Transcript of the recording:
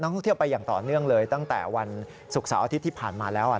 ท่องเที่ยวไปอย่างต่อเนื่องเลยตั้งแต่วันศุกร์เสาร์อาทิตย์ที่ผ่านมาแล้ว